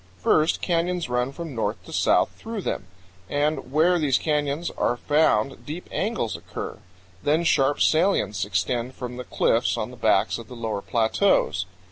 First, canyons run from north to south through them, and where these canyons are found deep angles occur; then sharp salients extend from the cliffs on the backs of the lower plateaus.